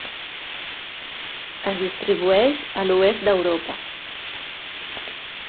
Es distribueix a l'oest d'Europa.